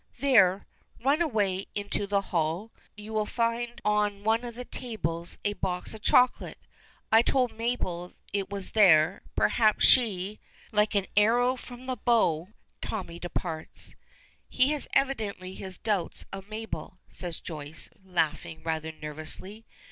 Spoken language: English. There; run away into the hall. You will find on one of the tables a box of chocolate. I told Mabel it was there; perhaps she " Like an arrow from the bow, Tommy departs. "He has evidently his doubts of Mabel," says Joyce, laughing rather nervously.